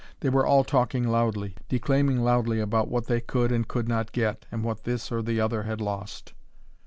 They were all talking loudly, declaiming loudly about what they could and could not get, and what this or the other had lost.